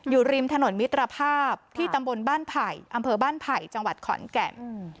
อยู่ริมถนนมิตรภาพที่ตำบลบ้านไผ่อำเภอบ้านไผ่จังหวัดขอนแก่น